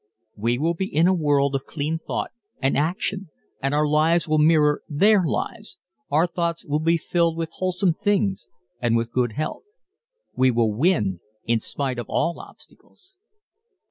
We will be in a world of clean thought and action and our lives will mirror their lives, our thoughts will be filled with wholesome things and with good health. We will win in spite of all obstacles.